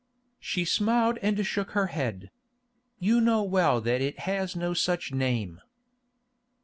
She smiled and shook her head. "You know well that it has no such name."